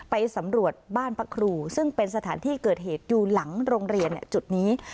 ไปสำรวจบ้านพระครูซึ่งเป็นสถานที่เกิดเหตุอยู่หลังโรงเรียนจุดนี้